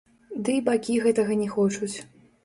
Ды і бакі гэтага не хочуць.